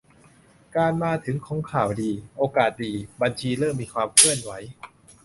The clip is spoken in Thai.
การมาถึงของข่าวดี โอกาสดี บัญชีเริ่มมีความเคลื่อนไหว